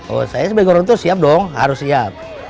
oh saya sebagai orang tua siap dong harus siap